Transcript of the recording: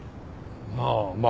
ああまあ。